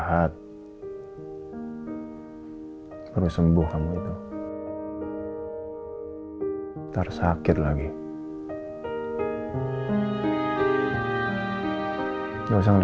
yang sudah tiba dahulu video apa apa